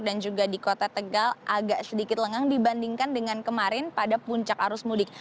dan juga di kota tegal agak sedikit lengang dibandingkan dengan kemarin pada puncak arus mudik